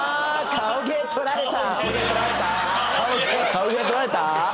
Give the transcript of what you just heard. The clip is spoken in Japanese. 顔芸取られた？